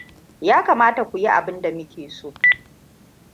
Ya kamata ku yi abinda mu ke so.